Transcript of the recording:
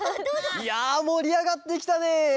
いやもりあがってきたね！